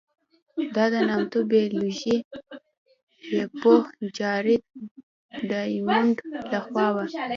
دا د نامتو بیولوژي پوه جارېډ ډایمونډ له خوا وه.